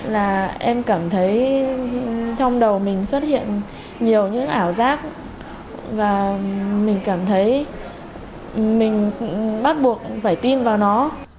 là em cảm thấy trong đầu mình xuất hiện nhiều những ảo giác và mình cảm thấy mình bắt buộc phải tin vào nó